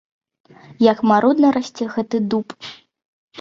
Як марудна расце гэты дуб!